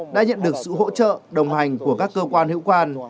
đã nhận được sự hỗ trợ đồng hành của các cơ quan hữu quan